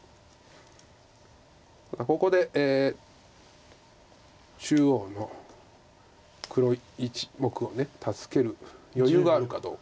ここで中央の黒１目を助ける余裕があるかどうか。